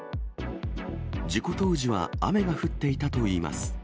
事故当時は雨が降っていたといいます。